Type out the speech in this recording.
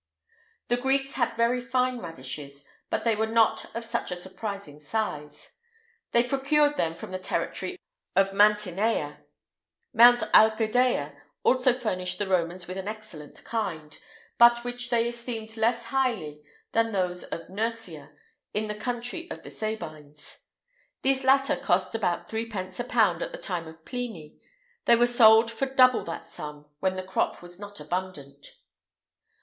The Greeks had very fine radishes, but they were not of such a surprising size. They procured them from the territory of Mantinea.[IX 163] Mount Algidea also furnished the Romans with an excellent kind,[IX 164] but which they esteemed less highly than those of Nursia,[IX 165] in the country of the Sabines. These latter cost about threepence a pound in the time of Pliny; they were sold for double that sum when the crop was not abundant.